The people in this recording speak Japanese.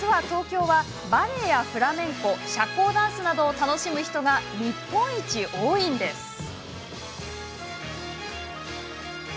東京ってバレエやフラメンコ社交ダンスなどを楽しむ人が日本一多いんです。